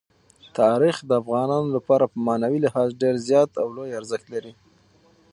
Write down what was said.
تاریخ د افغانانو لپاره په معنوي لحاظ ډېر زیات او لوی ارزښت لري.